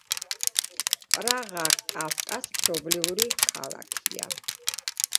პრაღა კაფკას მშობლიური ქალაქია.